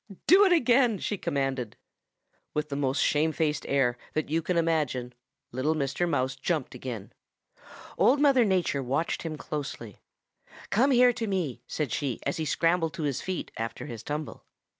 'Do it again,' she commanded. "With the most shamefaced air that you can imagine, little Mr. Mouse jumped again. Old Mother Nature watched him closely. 'Come here to me,' said she as he scrambled to his feet after his tumble.